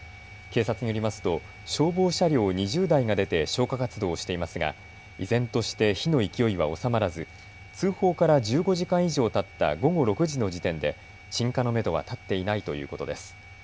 警察によりますと消防車両２０台が出て消火活動をしていますが依然として火の勢いは収まらず通報から１５時間以上たった午後６時の時点で鎮火のめどは立っていないということです。